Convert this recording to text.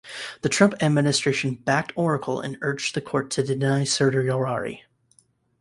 The Trump administration backed Oracle and urged the Court to deny certiorari.